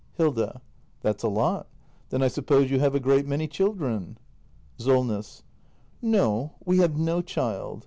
Hilda. That's a lot. Then I suppose you have a great many children ? Solness. No. We have no child.